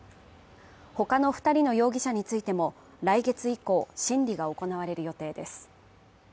他の２人の容疑者についても来月以降、審理が行われる予定です。